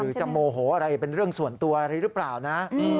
จะโมโหอะไรเป็นเรื่องส่วนตัวอะไรหรือเปล่านะ